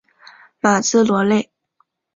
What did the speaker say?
马兹罗勒。